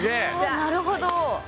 あなるほど。